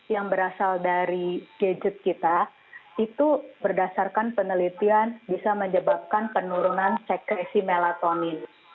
yang berasal dari gadget kita itu berdasarkan penelitian bisa menyebabkan penurunan sekresi melatonin